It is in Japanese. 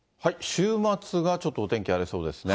週末がちょっとお天気荒れそうですね。